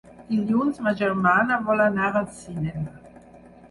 Dilluns ma germana vol anar al cinema.